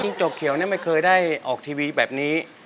จกเขียวไม่เคยได้ออกทีวีแบบนี้